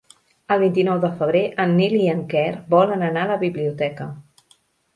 El vint-i-nou de febrer en Nil i en Quer volen anar a la biblioteca.